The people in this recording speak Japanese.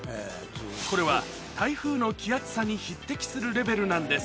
これは、台風の気圧差に匹敵するレベルなんです。